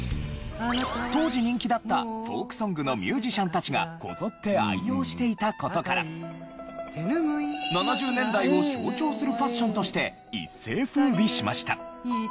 当時人気だったフォークソングのミュージシャンたちがこぞって愛用していた事から７０年代を象徴するファッションとして一世風靡しました。